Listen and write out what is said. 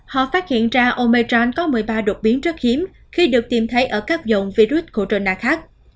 họ phát hiện ra omejan có một mươi ba đột biến rất hiếm khi được tìm thấy ở các dòng virus corona khác